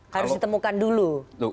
harus ditemukan dulu